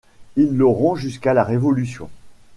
Il l'auront jusqu'à la Révolution.